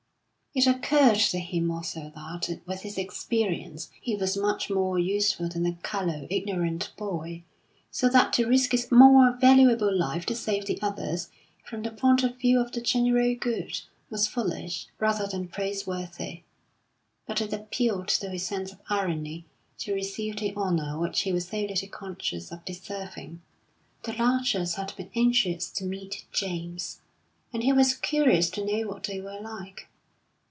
It occurred to him also that with his experience he was much more useful than the callow, ignorant boy, so that to risk his more valuable life to save the other's, from the point of view of the general good, was foolish rather than praiseworthy. But it appealed to his sense of irony to receive the honour which he was so little conscious of deserving. The Larchers had been anxious to meet James, and he was curious to know what they were like.